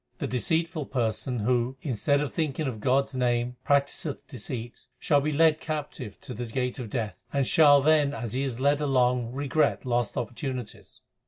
The deceitful person who, instead of thinking of God s name, practiseth deceit, Shall be led captive to the gate of Death, and shall then as he is led along regret lost opportunities.